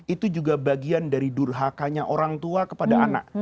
itu juga bagian dari durhakanya orang tua kepada anak